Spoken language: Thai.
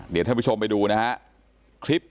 เดี๋ยวท่านผู้ชมไปดูนะฮะคลิป